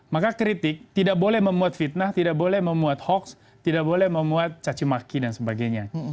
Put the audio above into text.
maka kritik tidak boleh memuat fitnah tidak boleh memuat hoaks tidak boleh memuat cacimaki dan sebagainya